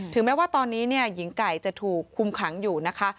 แม้ว่าตอนนี้หญิงไก่จะถูกคุมขังอยู่นะคะ